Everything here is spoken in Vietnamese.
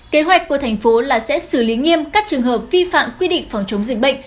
kế hoạch của thành phố là sẽ xử lý nghiêm các trường hợp vi phạm quy định phòng chống dịch bệnh